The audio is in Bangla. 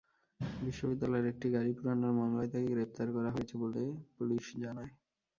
বিশ্ববিদ্যালয়ের একটি গাড়ি পোড়ানোর মামলায় তাঁকে গ্রেপ্তার করা হয়েছে বলে পুলিশ জানায়।